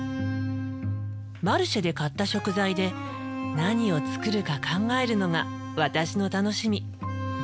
マルシェで買った食材で何を作るか考えるのが私の楽しみ。